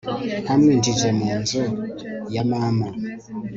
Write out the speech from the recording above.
ntamwinjije mu nzu ya mama